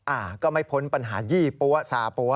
อ่าก็ไม่พ้นปัญหายี่ปั๊วซาปั๊ว